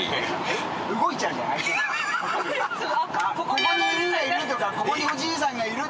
ここに犬がいるとかここにおじいさんがいる。